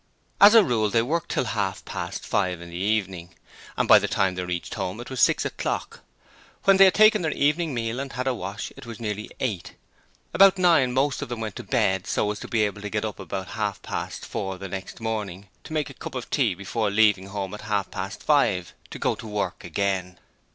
As a rule they worked till half past five in the evening, and by the time they reached home it was six o'clock. When they had taken their evening meal and had a wash it was nearly eight: about nine most of them went to bed so as to be able to get up about half past four the next morning to make a cup of tea before leaving home at half past five to go to work again.